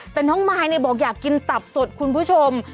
แต่น้องมายบอกอยากกินตับสดคุณผู้ชม